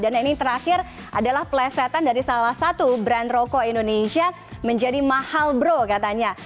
dan ini terakhir adalah pelesetan dari salah satu brand rokok indonesia menjadi mahal bro katanya